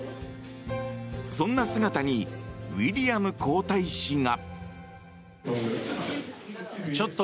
そんな姿にウィリアム皇太子が。